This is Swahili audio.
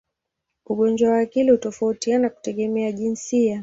Ugonjwa wa akili hutofautiana kutegemea jinsia.